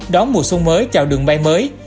đón mùa xuân mới chào đường bay mới